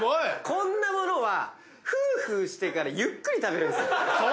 こんな物はふーふーしてからゆっくり食べるんですよ。